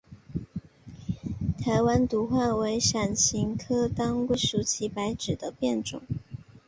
台湾独活为伞形科当归属祁白芷的变种。